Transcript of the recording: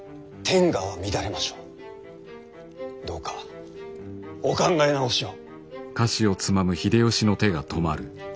どうかお考え直しを。